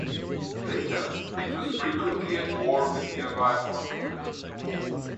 Later it was frequently at war with nearby Ortona.